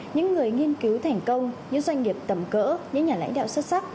những người nghiên cứu thành công những doanh nghiệp tầm cỡ những nhà lãnh đạo xuất sắc